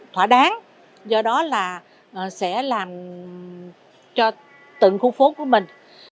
thỏa đáng do đó là sẽ làm cho từng khu phố của mình